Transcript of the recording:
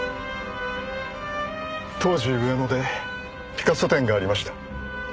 当時上野で「ピカソ展」がありました。